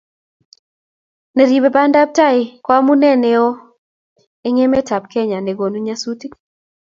Ne ribei bandap ko amune neo eng emetab Kenya nekonu nyasutik